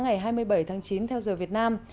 ngày hai mươi bảy tháng chín theo giờ việt nam